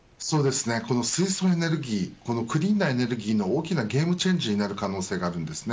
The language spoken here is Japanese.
水素エネルギークリーンなエネルギーの大きなゲームチェンジになる可能性があります。